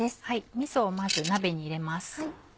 みそをまず鍋に入れます。